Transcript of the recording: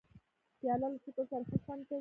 پیاله له شکر سره ښه خوند کوي.